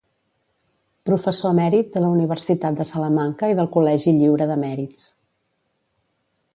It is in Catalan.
Professor emèrit de la Universitat de Salamanca i del Col·legi Lliure d'Emèrits.